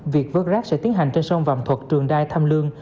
việc vớt rác sẽ tiến hành trên sông vàm thuật trường đai tham lương